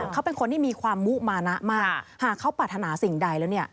เขาเป็นคนที่มีความมุมานะมากหากเขาปรารถนาสิ่งใดแล้วเนี่ย